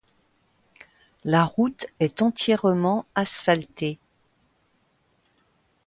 La route est entièrement asphaltée.